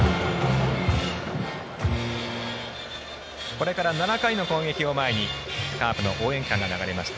これから７回の攻撃を前にカープの応援歌が流れました